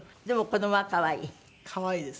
でも子どもは可愛い？